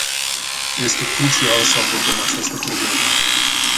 Este crucial să abordăm această problemă.